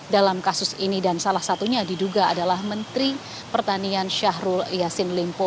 dalam kasus ini dan salah satunya diduga adalah menteri pertanian syahrul yassin limpo